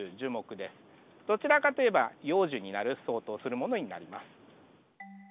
どちらかといえば陽樹になる相当するものになります。